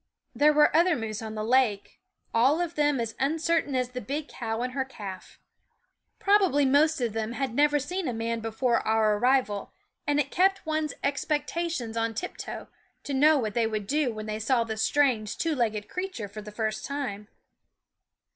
There were other moose on the lake, all of them as uncertain as the big cow and her calf. Probably most of them had never seen a man before our arrival, and it kept one's expectations on tiptoe to know what they would do when they saw the strange two legged creature for the first time.